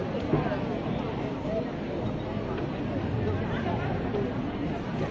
เวลาแรกพี่เห็นแวว